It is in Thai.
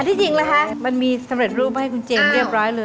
ที่จริงนะคะมันมีสำเร็จรูปให้คุณเจมส์เรียบร้อยเลย